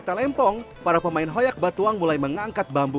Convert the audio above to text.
ketika lempong para pemain hoyak batuang mulai mengangkat bambu